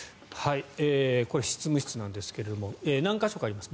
これは執務室ですが何か所かあります。